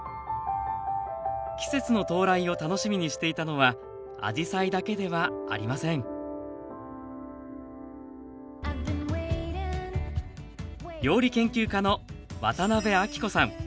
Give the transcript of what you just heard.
季節の到来を楽しみにしていたのはあじさいだけではありません料理研究家の渡辺あきこさん。